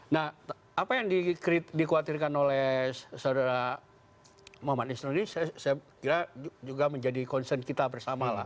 nah apa yang dikhawatirkan oleh saudara muhammad isnur ini saya kira juga menjadi concern kita bersama lah